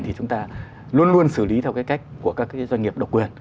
thì chúng ta luôn luôn xử lý theo cái cách của các doanh nghiệp độc quyền